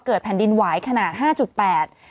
เกิดแผ่นดินไหว้ขนาด๕๘